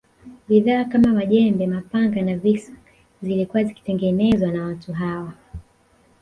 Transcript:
Bidhaa kama majembe mapanga na visu zilikuwa zikitengenezwa na watu hawa